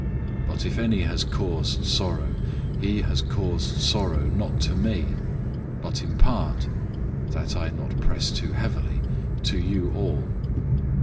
002:005 But if any has caused sorrow, he has caused sorrow, not to me, but in part (that I not press too heavily) to you all.